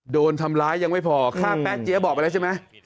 โดนทำร้ายยังไม่พอฆ่าแป๊เจี๊ยบอกไปแล้วใช่ไหม